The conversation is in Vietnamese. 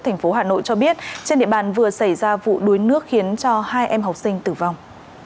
thành phố hà nội cho biết trên địa bàn vừa xảy ra vụ đuối nước khiến cho hai em học sinh tử vong